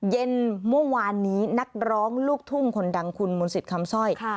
เย็นเมื่อวานนี้นักร้องลูกทุ่งคนดังคุณมนต์สิทธิ์คำสร้อย